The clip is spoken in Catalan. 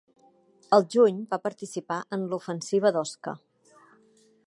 Al juny va participar en l'Ofensiva d'Osca.